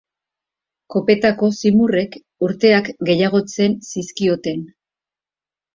Kopetako zimurrek urteak gehiagotzen zizkioten.